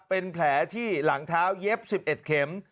เป็นแผลที่หลังเท้าเย็บ๑๑เข็ม